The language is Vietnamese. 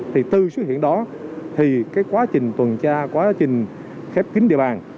thì từ xuất hiện đó thì cái quá trình tuần tra quá trình khép kính địa bàn